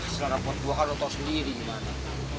setelah rapot gue kan otot sendiri gimana